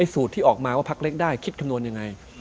สูตรที่ออกมาว่าพักเล็กได้คิดคำนวณยังไง